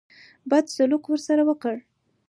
بد سلوک ورسره وکړ.